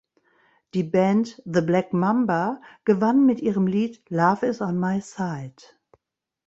Die Band The Black Mamba gewann mit ihrem Lied "Love Is on My Side".